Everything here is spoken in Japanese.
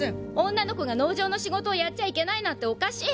女の子が農場の仕事をやっちゃいけないなんておかしい！